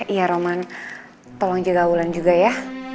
iya roman tolong jaga bulan juga ya